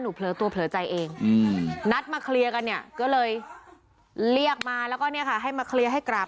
เผลอตัวเผลอใจเองนัดมาเคลียร์กันเนี่ยก็เลยเรียกมาแล้วก็เนี่ยค่ะให้มาเคลียร์ให้กราบ